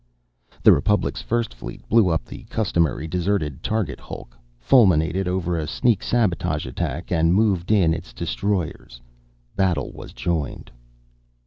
The Republic's First Fleet blew up the customary deserted target hulk, fulminated over a sneak sabotage attack and moved in its destroyers. Battle was joined.